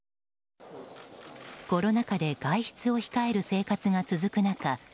コロナ禍で外出を控える生活が続く中